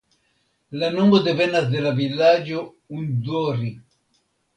La nomo devenas de la vilaĝo Undori.